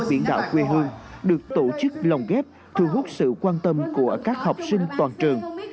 biển đảo quê hương được tổ chức lồng ghép thu hút sự quan tâm của các học sinh toàn trường